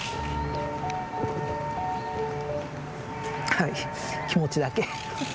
はい気持ちだけ。